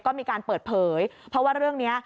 ก็มีการเปิดเผยเพราะว่าเรื่องนี้